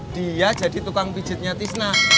dia jadi tukang pijitnya tisna